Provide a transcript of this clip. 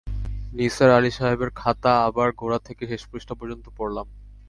নিসার আলি সাহেবের খাতা আবার গোড়া থেকে শেষ পৃষ্ঠা পর্যন্ত পড়লাম।